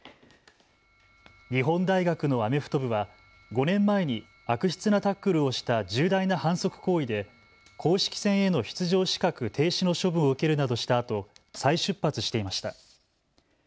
日本大学のアメフト部は５年前に悪質なタックルをした重大な反則行為で公式戦への出場資格停止の処分を受けるなどしたあと再出発していました。